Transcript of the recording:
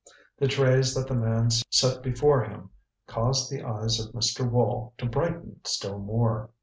The trays that the man set before him caused the eyes of Mr. Wall to brighten still more.